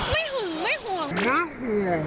ไม่หึงไม่ห่วง